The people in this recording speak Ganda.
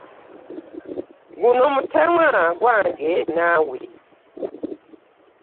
Guno omutimwa gwange naawe.